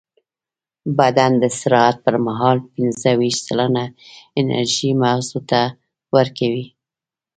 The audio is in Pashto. بدن د استراحت پر مهال پینځهویشت سلنه انرژي مغزو ته ورکوي.